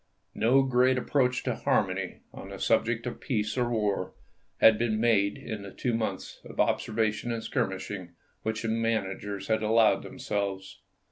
No great approach to harmony, on the subject of peace or war, had been made in the two months of ob servation and skirmishing which the managers had allowed themselves.